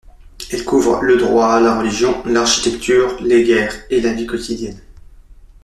Elle couvre le droit, la religion, l'architecture, les guerres et la vie quotidienne.